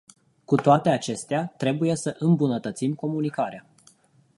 Cu toate acestea, trebuie să îmbunătățim comunicarea.